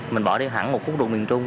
mình bỏ đi hẳn một khu rụng miền trung